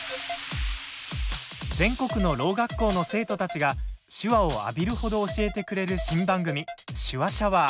全国のろう学校の生徒たちが手話を浴びるほど教えてくれる新番組「手話シャワー」。